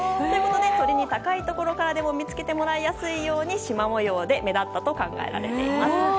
鳥に高いところからでも見つけてもらいやすいようしま模様で目立ったと考えられています。